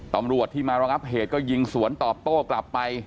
ตำรวจที่มารองับเหตุก็ยิงสวนตอบโต้กลับไป